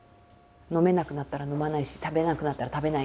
飲めなくなったら飲まないし食べれなくなったら食べない。